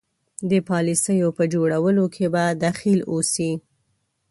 د پالیسیو په جوړولو کې به دخیل اوسي.